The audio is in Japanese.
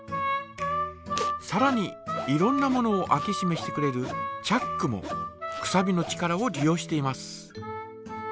さらにいろんなものを開けしめしてくれるチャックもくさびの力を利用しています。